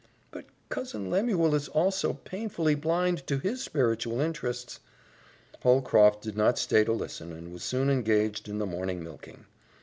"But Cousin Lemuel is also painfully blind to his spiritual interests " Holcroft did not stay to listen and was soon engaged in the morning milking.